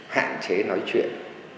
hạn chế nói chuyện